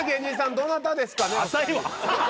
どなたですかね？